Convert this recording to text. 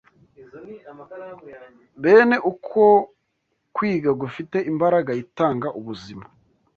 Bene uko kwiga gufite imbaraga itanga ubuzima